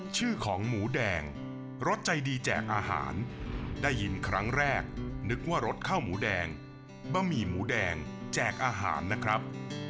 ชื่อของหมูแดงรสใจดีแจกอาหารได้ยินครั้งแรกนึกว่ารสข้าวหมูแดงบะหมี่หมูแดงแจกอาหารนะครับ